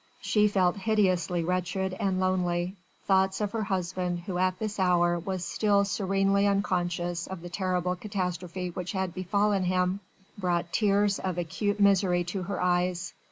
She felt hideously wretched and lonely thoughts of her husband, who at this hour was still serenely unconscious of the terrible catastrophe which had befallen him, brought tears of acute misery to her eyes.